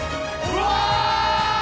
うわ！